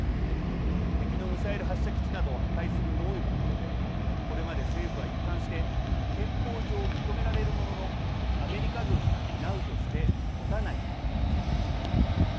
敵のミサイル発射基地などを破壊する能力のことでこれまで政府は一貫して憲法上、認められるもののアメリカ軍が担うとして持たないとしてきました。